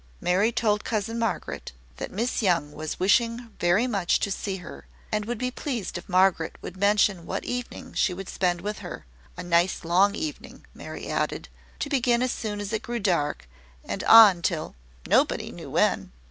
Mary told cousin Margaret, that Miss Young was wishing very much to see her, and would be pleased if Margaret would mention what evening she would spend with her, a nice long evening, Mary added, to begin as soon as it grew dark, and on till nobody knew when.